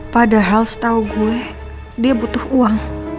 padahal setahu gue dia butuh uang